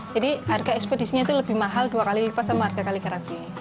jadi harga ekspedisinya itu lebih mahal dua kali lipat sama harga kaligrafi